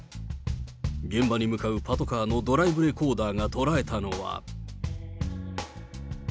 現場に向かうパトカーのドライブレコーダーが捉えたのは。